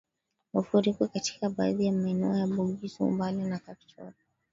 Mafuriko katika baadhi ya maeneo ya Bugisu Mbale na Kapchorwa